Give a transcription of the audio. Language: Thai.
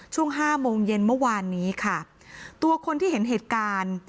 ช่วงห้าโมงเย็นเมื่อวานนี้ค่ะตัวคนที่เห็นเหตุการณ์